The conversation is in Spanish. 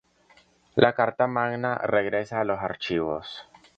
La Carta Magna Regresa a los Archivos